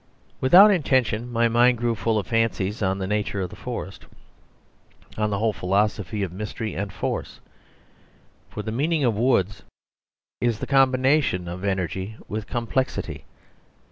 Without intention my mind grew full of fancies on the nature of the forest; on the whole philosophy of mystery and force. For the meaning of woods is the combination of energy with complexity.